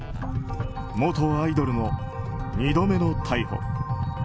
元アイドルの２度目の逮捕。